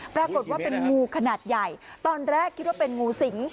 ปรากฏว่าเป็นงูขนาดใหญ่ตอนแรกคิดว่าเป็นงูสิง